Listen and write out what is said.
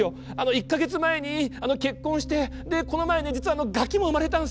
１か月前に結婚してでこの前ね実はガキも生まれたんすよ。